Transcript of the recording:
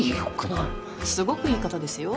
すごくいい方ですよ。